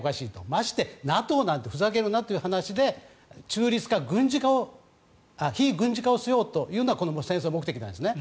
ましてＮＡＴＯなんてふざけるなという話で非軍事化をしようというのがこの戦争の目的なんですね。